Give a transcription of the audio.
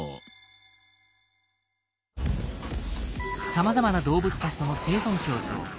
さまざまな動物たちとの生存競争。